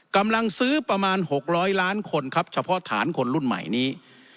กำลังซื้อประมาณ๖๐๐ล้านคนครับเฉพาะฐานคนรุ่นใหม่นี้